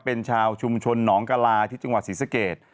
เป็นชาวชุมชนหนองกะลาที่จังหวัดศรีสเกต